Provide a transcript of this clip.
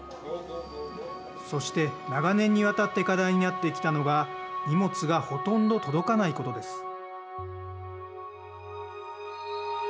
そして長年にわたって課題になってきたのが荷物がほとんど届かないことです。